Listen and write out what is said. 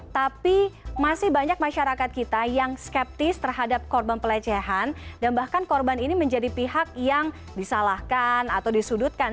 tapi masih banyak masyarakat kita yang skeptis terhadap korban pelecehan dan bahkan korban ini menjadi pihak yang disalahkan atau disudutkan